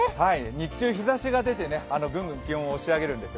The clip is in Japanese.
日中日ざしが出てぐんぐん気温を押し上げます。